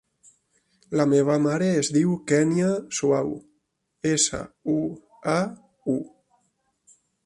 La meva mare es diu Kènia Suau: essa, u, a, u.